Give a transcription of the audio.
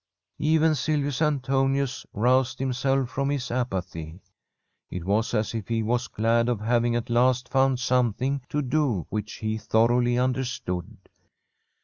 Even Silvius Antonius roused himself from his apathy. It was as if he was glad of having at last found something to do which he thoroughly un derstood.